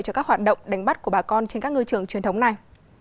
cho các hoạt động đánh bắt của bà con trên các ngư trường truyền thống này